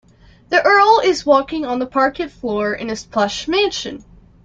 The earl is walking on the parquet floor in his plush mansion.